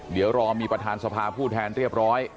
เดี๋ยวรอมีประธานสภาผู้แทนเรียบร้อย